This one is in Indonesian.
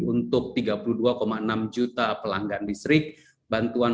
untuk tiga puluh dua enam juta pelanggan listrik bantuan